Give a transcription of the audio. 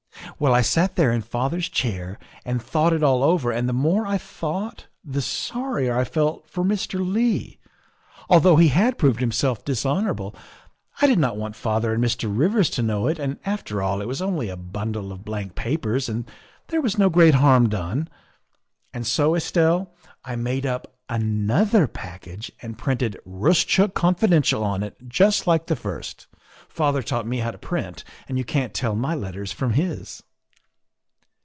'' Well, I sat there in father 's chair and thought it all over, and the more I thought the sorrier I felt for Mr. Leigh; although he had proved himself dishonorable, I did not want father and Mr. Rivers to know it, and, after all, it was only a bundle of blank papers and there THE SECRETARY OF STATE 125 was no great harm done. And so, Estelle, I made up another package and printed ' Roostchook Confiden tial ' on it, just like the first. Father taught me how to print, and you can't tell my letters from his."